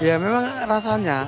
ya memang rasanya